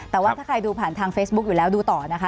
แต่ว่าถ้าใครดูผ่านทางเฟซบุ๊คอยู่แล้วดูต่อนะคะ